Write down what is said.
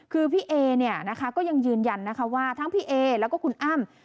คือพี่เอก็ยังยืนยันว่าทั้งพี่เอแล้วก็คุณอ้ำ